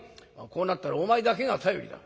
こうなったらお前だけが頼りだ。